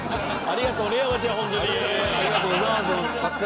ありがとうございます。